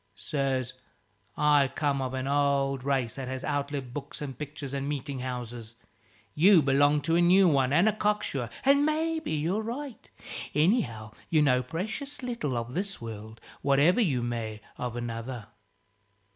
Sirs, I come of an old race that has outlived books and pictures and meeting houses: you belong to a new one and a cock sure, and maybe you're right. Anyhow, you know precious little of this world, whatever you may of another."